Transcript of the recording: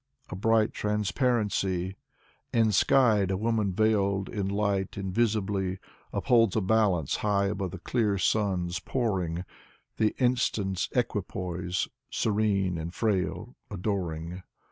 A bright transparency ! Enskied a woman veiled in light invisibly Upholds a balance high above the clear sun's pouring, The instant's equipoise, serene and frail, adoring.